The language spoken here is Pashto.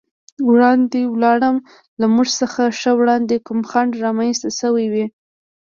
وړاندې ولاړم، له موږ څخه ښه وړاندې کوم خنډ رامنځته شوی و.